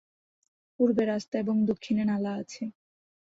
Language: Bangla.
পূর্বে রাস্তা এবং দক্ষিণে নালা আছে।